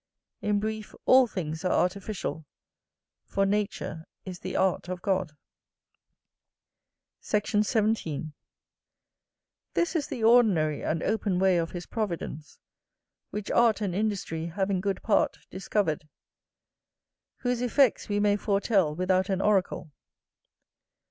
In brief, all things are artificial; for nature is the art of God. Sect. 17. This is the ordinary and open way of his providence, which art and industry have in good part discovered; whose effects we may foretell without an oracle.